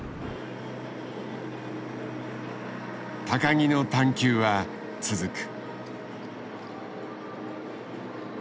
木の探求は続く。